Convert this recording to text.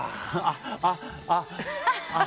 あっ、あっ。